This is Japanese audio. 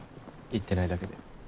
言ってないだけで。